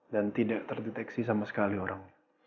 dan tidak terdeteksi sama sekali orang